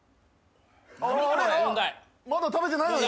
まだ食べてないのに？